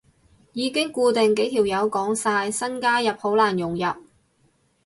已經固定幾條友講晒，新加入好難融入